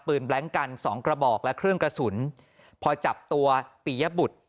แบล็งกันสองกระบอกและเครื่องกระสุนพอจับตัวปียบุตร